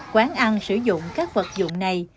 quán ăn sử dụng các vật dụng này